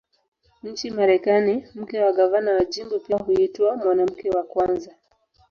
Nchini Marekani, mke wa gavana wa jimbo pia huitwa "Mwanamke wa Kwanza".